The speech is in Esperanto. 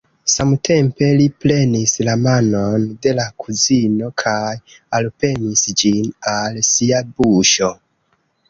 Samtempe li prenis la manon de la kuzino kaj alpremis ĝin al sia buŝo.